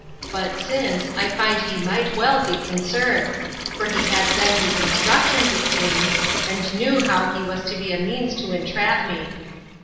—But since, I find he might well be concerned; for he had then his instructions, it seems, and knew how he was to be a means to entrap me.